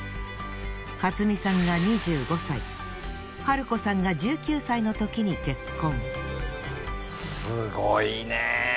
勝三さんが２５歳春子さんが１９歳のときに結婚。